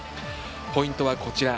ポイントはこちら。